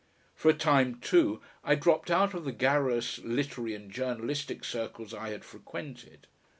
For a time, too, I dropped out of the garrulous literary and journalistic circles I had frequented.